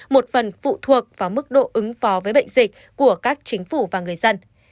một phần phụ thuộc vào mức độ ứng phó với bệnh dịch của các chính phủ và người dân